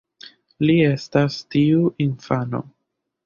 Li estas tiu infano.